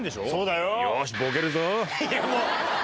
よし。